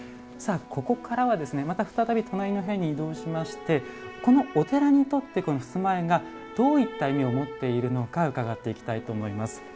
ここからはですねまた再び隣の部屋に移動しましてこのお寺にとって襖絵がどういった意味を持っているのか伺っていきたいと思います。